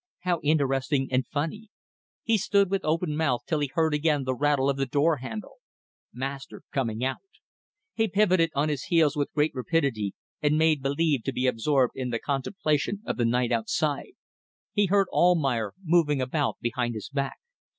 How interesting and funny! He stood with open mouth till he heard again the rattle of the door handle. Master coming out. He pivoted on his heels with great rapidity and made believe to be absorbed in the contemplation of the night outside. He heard Almayer moving about behind his back.